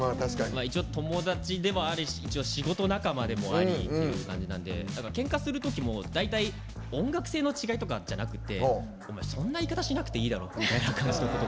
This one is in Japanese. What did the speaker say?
一応、友達でもあり仕事仲間でもありっていう感じなんでケンカするときも大体音楽性の違いとかじゃなくてそんな言い方しなくていいだろみたいなこと。